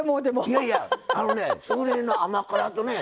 いやいやあのねしぐれ煮の甘辛とね